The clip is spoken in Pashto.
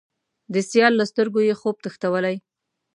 د سیال له سترګو یې، خوب تښتولی